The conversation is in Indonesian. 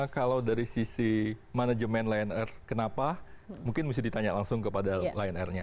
kalau dari sisi manajemen lion air kenapa mungkin mesti ditanya langsung kepada lion airnya